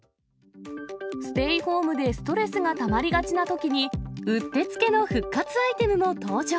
ステイホームでストレスがたまりがちなときに、打ってつけの復活アイテムも登場。